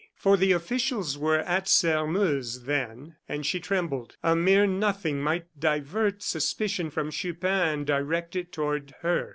For the officials were at Sairmeuse then, and she trembled. A mere nothing might divert suspicion from Chupin and direct it toward her.